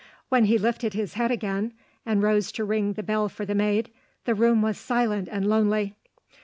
When he lifted his head again, and rose to ring the bell for the maid, the room was silent and lonely.